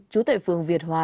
chú tệ phường việt hoa